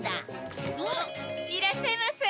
いらっしゃいませ。